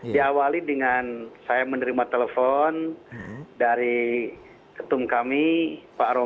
diawali dengan saya menerima telepon dari ketum kami pak roy